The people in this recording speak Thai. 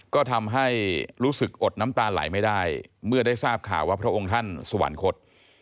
ก็ทำให้รู้สึกอดน้ำตาไหลไม่ได้เมื่อได้ทราบข่าวว่าพระองค์ท่านสวรรคต